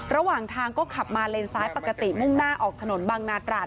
ระหว่างทางก็ขับมาเลนซ้ายปกติมุ่งหน้าออกถนนบางนาตราด